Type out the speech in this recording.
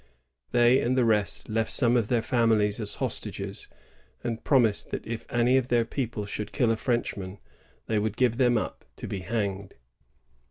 They and the rest left some of their families as hostages, and pnnnised that if any of their people should kill a Frenchman, they would give them up to be hanged.